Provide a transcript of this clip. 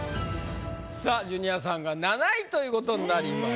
さぁジュニアさんが７位ということになりました。